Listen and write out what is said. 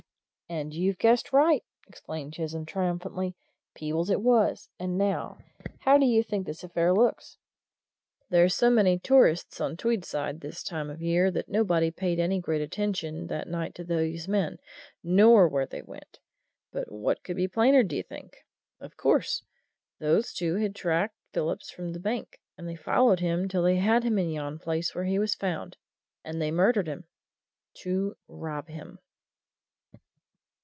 "And you've guessed right!" exclaimed Chisholm, triumphantly; "Peebles it was and now, how do you think this affair looks? There's so many tourists on Tweedside this time of the year that nobody paid any great attention that night to these men, nor where they went. But what could be plainer, d'ye think? of course, those two had tracked Phillips from the bank, and they followed him till they had him in yon place where he was found, and they murdered him to rob him!"